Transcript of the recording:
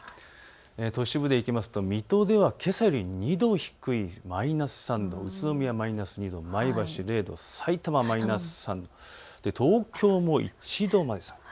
都市部でいくと水戸ではけさより２度低いマイナス３度、宇都宮マイナス２度、さいたまマイナス３度、東京も１度まで下がります。